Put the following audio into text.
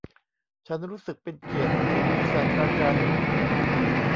ฉันรู้สึกเป็นเกียรติที่มีศาสตราจารย์อยู่